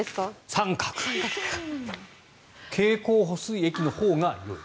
経口補水液のほうがよい。